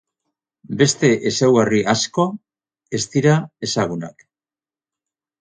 Beste ezaugarri asko ez dira ezagunak.